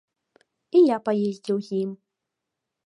І я паездзіў з ім.